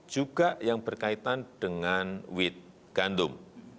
juga yang berkaitan dengan with gandum